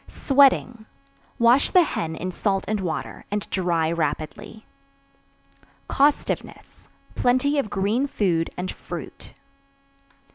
Sweating. Wash the hen in salt and water, and dry rapidly. Costiveness. Plenty of green food and fruit.